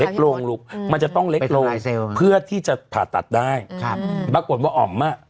ลงลูกมันจะต้องเล็กลงเพื่อที่จะผ่าตัดได้ครับปรากฏว่าอ๋อมอ่ะ